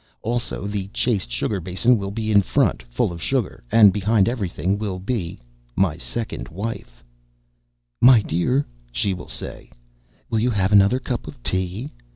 Also the chased sugar basin will be in front, full of sugar, and behind everything will be my second wife. "My dear," she will say, "will you have another cup of tea?"